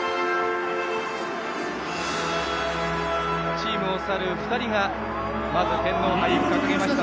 チームを去る２人がまず天皇杯を掲げました。